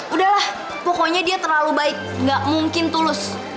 udah lah pokoknya dia terlalu baik nggak mungkin tulus